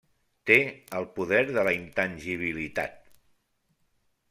Té el poder de la intangibilitat.